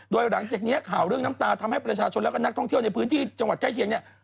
โดยหลังจากนี้ข่าวเรื่องน้ำตาทำให้ประชาชนและก็นักท่องเที่ยวในพื้นที่จังหวัดใกล้เคียงเนี่ย